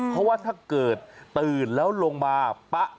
เพราะว่าถ้าเกิดตื่นแล้วลงมาป๊ะ